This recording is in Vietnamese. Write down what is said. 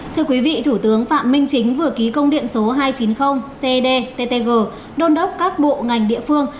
thưa quý vị thủ tướng phạm minh chính vừa ký công điện số hai trăm chín mươi cdttg đôn đốc các bộ ngành địa phương